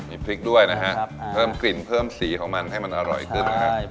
มีพริกด้วยนะฮะเพิ่มกลิ่นเพิ่มสีของมันให้มันอร่อยขึ้นนะครับ